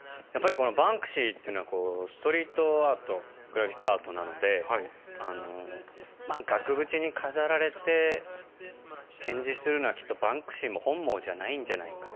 バンクシーはストリートアート、グラフィックアートなので、額縁に飾られて展示するのはバンクシーも本望じゃないんじゃないかと。